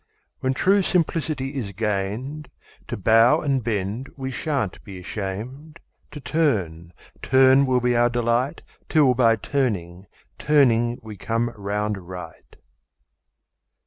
When true simplicity is gain'd, To bow and to bend we shan't be asham'd, To turn, turn will be our delight 'Till by turning, turning we come round right.